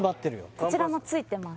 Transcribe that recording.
こちらも付いてます